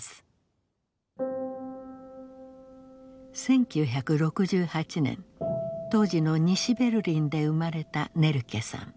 １９６８年当時の西ベルリンで生まれたネルケさん。